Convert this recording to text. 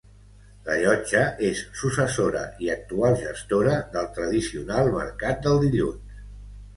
La Llotja és successora i actual gestora del tradicional Mercat del Dilluns.